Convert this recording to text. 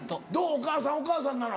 お母さんお母さんなの？